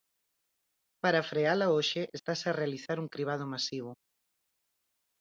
Para freala hoxe estase a realizar un cribado masivo.